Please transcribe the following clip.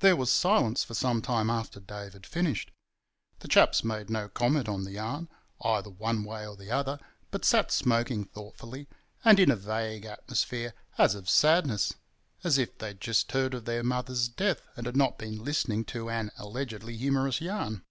There was silence for some time after Dave had finished. The chaps made no comment on the yarn, either one way or the other, but sat smoking thoughtfully, and in a vague atmosphere as of sadness—as if they'd just heard of their mother's death and had not been listening to an allegedly humorous yarn.